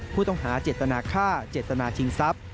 ผู้ต้องหาเจตนาฆ่าเจตนาชิงทรัพย์